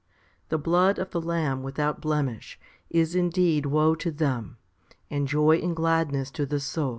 The blood of the Lamb without blemish is indeed woe to them, and joy and gladness to the soul.